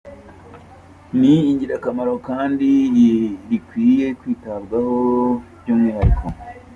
ni ingirakamaro kandi rikwiye kwitabwaho by’umwihariko